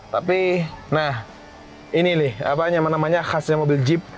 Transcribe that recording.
tapi nah ini nih apa namanya khasnya mobil jeep